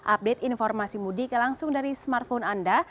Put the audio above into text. update informasi mudik langsung dari smartphone anda